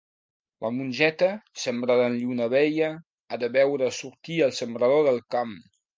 La mongeta, sembrada en lluna vella, ha de veure sortir el sembrador del camp.